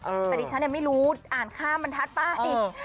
แต่ดิฉันเนี่ยไม่รู้อ่านข้ามันทัดป่ะอีก